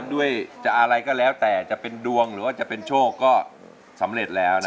ด้วยจะอะไรก็แล้วแต่จะเป็นดวงหรือว่าจะเป็นโชคก็สำเร็จแล้ว